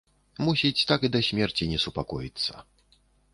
Мусіць, так і да смерці не супакоіцца.